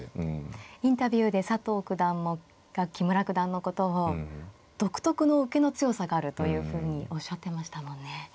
インタビューで佐藤九段が木村九段のことを独特の受けの強さがあるというふうにおっしゃってましたもんね。